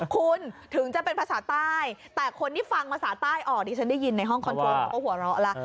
คุณถึงจะเป็นภาษาใต้แต่คนที่ฟังภาษาใต้ออกดิฉันได้ยินในห้องคอนโทรเขาก็หัวเราะแล้ว